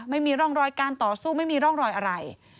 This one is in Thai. ไม่มีร่องรอยการต่อสู้ไม่มีร่องรอยอะไร